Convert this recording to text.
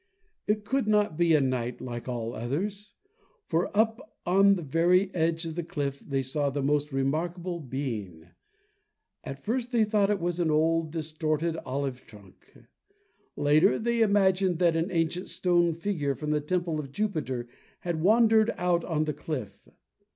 It could not be a night like all others, for up on the very edge of the cliff they saw the most remarkable being! At first they thought it was an old, distorted olive trunk; later they imagined that an ancient stone figure from the temple of Jupiter had wandered out on the cliff.